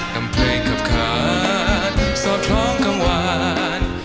ทำเพลงขับขาสอดท้องกังวาน